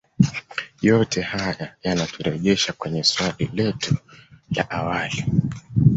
Yote haya yanaturejesha kwenye swali letu la awali